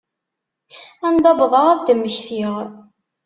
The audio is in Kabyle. Anda wwḍeɣ ad d-mmektiɣ.